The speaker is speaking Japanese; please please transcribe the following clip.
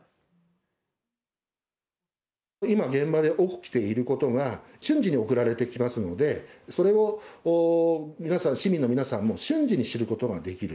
今、現場で起きていることが瞬時に送られてきますのでそれを市民の皆さんも瞬時に知ることができる。